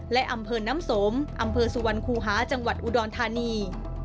และอำเภอน้ำสมอำเภอสุวรรณคูหาจังหวัดอุดรธานี